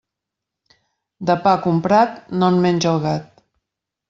De pa comprat, no en menja el gat.